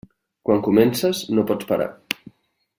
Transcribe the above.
Quan comences, no pots parar.